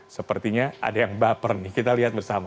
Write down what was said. sepertinya ada yang baper nih kita lihat bersama